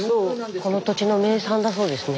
この土地の名産だそうですね